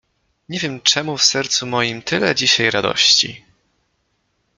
Nie wiem, czemu w sercu moim tyle dzisiaj radości?